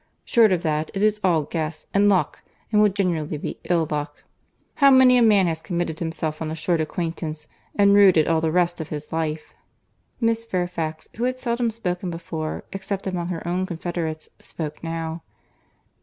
Short of that, it is all guess and luck—and will generally be ill luck. How many a man has committed himself on a short acquaintance, and rued it all the rest of his life!" Miss Fairfax, who had seldom spoken before, except among her own confederates, spoke now.